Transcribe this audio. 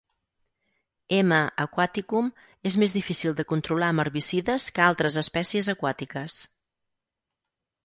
M. aquaticum és més difícil de controlar amb herbicides que altres espècies aquàtiques.